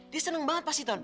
dia seneng banget pasti ton